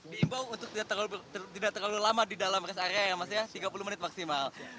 diimbau untuk tidak terlalu lama di dalam rest area ya mas ya tiga puluh menit maksimal